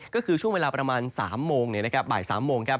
ก็คือช่วงเวลาประมาณ๓โมงบ่าย๓โมงครับ